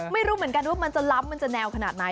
ไม่รู้เหมือนกันว่ามันจะล้ำมันจะแนวขนาดไหน